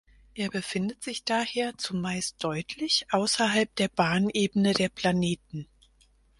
Er befindet sich daher zumeist deutlich außerhalb der Bahnebene der Planeten.